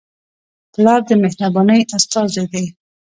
پلار د مهربانۍ استازی دی.